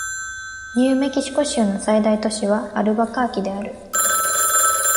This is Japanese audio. ニューメキシコ州の最大都市はアルバカーキである